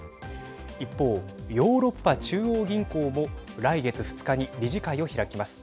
一方、ヨーロッパ中央銀行も来月２日に理事会を開きます。